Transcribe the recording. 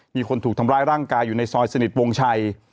มีคนถูกทำร้ายร่างกายอยู่ในซอยสนิทวงชัย